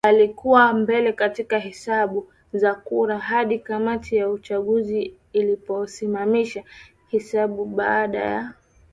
alikuwa mbele katika hesabu za kura hadi Kamati ya Uchaguzi iliposimamisha kuhesabu baada ya